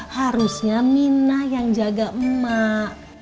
harusnya minah yang jaga mak